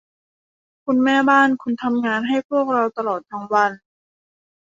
คุณแม่บ้าน คุณทำงานให้พวกเราตลอดทั้งวัน